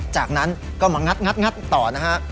จากนั้นก็มางัดต่อนะฮะ